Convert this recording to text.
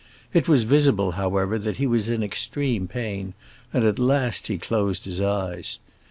It was visible, however, that he was in extreme pain, and at last he closed his eyes.